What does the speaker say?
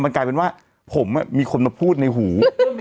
กลายเป็นว่าผมมีคนมาพูดในหู